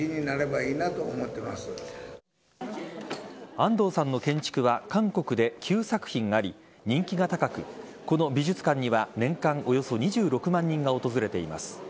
安藤さんの建築は韓国で９作品あり人気が高く、この美術館には年間およそ２６万人が訪れています。